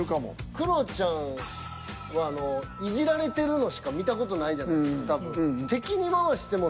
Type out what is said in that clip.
クロちゃんはいじられてるのしか見た事ないじゃないですか多分。